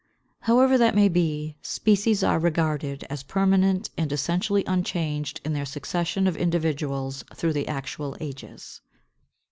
However that may be, species are regarded as permanent and essentially unchanged in their succession of individuals through the actual ages.